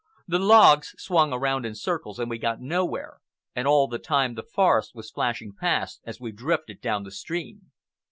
The logs swung around in circles, and we got nowhere, and all the time the forest was flashing past as we drifted down the stream.